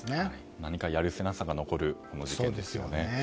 何かやるせなさが残る事件ですね。